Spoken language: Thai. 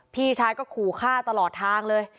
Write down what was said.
พี่ชายก็ขู่ฆ่าตลอดทางเลย